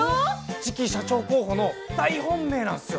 次期社長候補の大本命なんすよ。